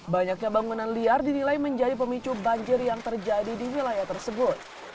banyaknya bangunan liar dinilai menjadi pemicu banjir yang terjadi di wilayah tersebut